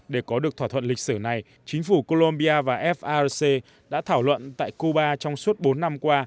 để có được thỏa thuận lịch sử này chính phủ colombia và farc đã thảo luận tại cuba trong suốt bốn năm qua